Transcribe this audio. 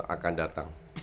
dua akan datang